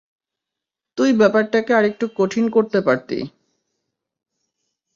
তুই ব্যাপারটাকে আরেকটু কঠিন করতে পারতি।